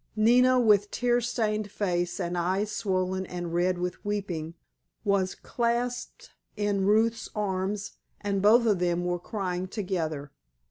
Nina, with tear stained face and eyes swollen and red with weeping, was clasped in Ruth's arms, and both of them were crying together.